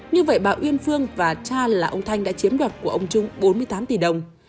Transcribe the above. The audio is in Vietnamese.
như vậy bà uyên phương và cha là ông thanh đã chiếm đoạt của ông trung bốn mươi tám tỷ đồng